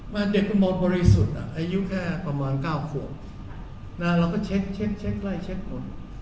แต่เด็กบริสุทธิ์อายุแค่ประมาณ๙ขวบแล้วเราก็เช็คไล่เช็คหมด